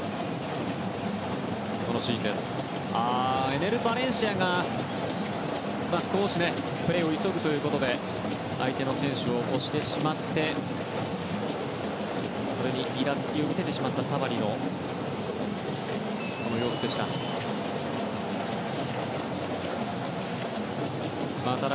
エネル・バレンシアが少しプレーを急ぐということで相手の選手を押してしまってそれにイラつきを見せてしまったサバリの様子でした。